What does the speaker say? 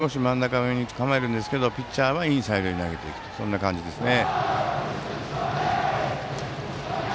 キャッチャーは少し真ん中めに構えますがピッチャーはインサイドに投げていく感じですね。